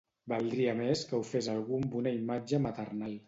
Valdria més que ho fes algú amb una imatge maternal.